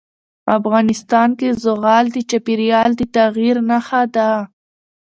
افغانستان کې زغال د چاپېریال د تغیر نښه ده.